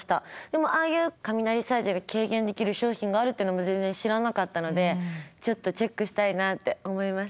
でもああいう雷サージが軽減できる商品があるっていうのも全然知らなかったのでちょっとチェックしたいなって思いました。